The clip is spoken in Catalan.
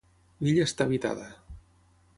L'illa està habitada.